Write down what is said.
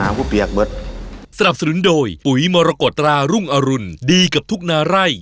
คุณเปียกเบิร์ตสนับสนุนโดยปุ๋ยมรกฎรารุ่งอรุณดีกับทุกนาไร่